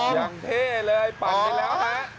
อย่างเท่เลยปั่นไปแล้วค่ะ